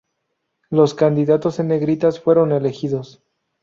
Los candidatos en negritas fueron elegidos.